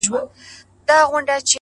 خپل خوبونه په عمل بدل کړئ!